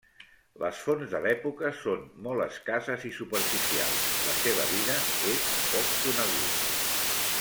Les fonts de l'època són molt escasses i superficials, la seva vida és poc coneguda.